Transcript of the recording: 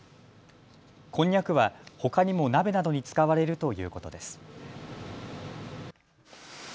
こんにゃくはほかにも鍋などに使われるということです。